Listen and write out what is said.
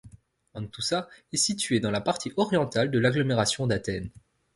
Anthoúsa est située dans la partie orientale de l'agglomération d'Athènes.